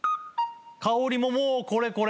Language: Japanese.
香りももうこれこれ！